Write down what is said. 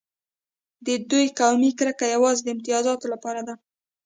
د دوی قومي کرکه یوازې د امتیاز لپاره ده.